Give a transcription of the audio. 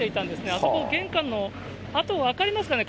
あそこ、玄関の跡、分かりますかね？